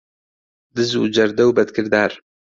دز و جەردە و بەدکردار